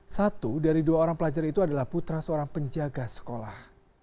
satu dari dua orang pelajar itu adalah putra seorang penjaga sekolah